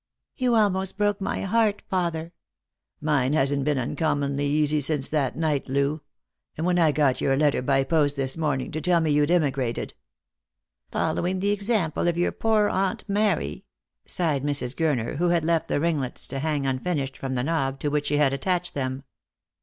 " You almost broke my heart, father." " Mine hasn't been uncommonly easy since that night, Loo. And when I got your letter by post this morning, to tell me you'd emigrated " "Following the example of your pore aunt Mary," sighed Mrs. Gurner, who had left the ringlets to hang unfinished from the knob to which she had attached them.